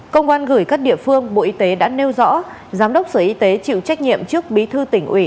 công an gửi các địa phương bộ y tế đã nêu rõ giám đốc sở y tế chịu trách nhiệm trước bí thư tỉnh ủy